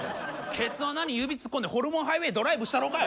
ケツ穴に指突っ込んでホルモンハイウェイドライブしたろかい。